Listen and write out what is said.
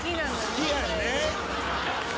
「好きやんね」